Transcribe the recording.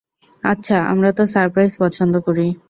আচ্ছা, আমরা তো সারপ্রাইজ পছন্দ করি।